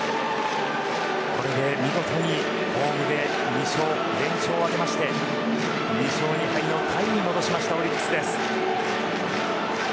これで見事にホームで２勝連勝を挙げて２勝２敗のタイに戻しましたオリックス。